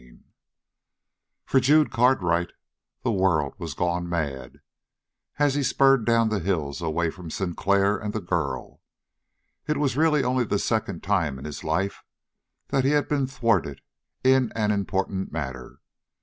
19 For Jude Cartwright the world was gone mad, as he spurred down the hills away from Sinclair and the girl. It was really only the second time in his life that he had been thwarted in an important matter.